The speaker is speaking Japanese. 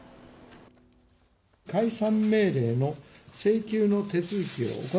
解散命令の請求の手続きを行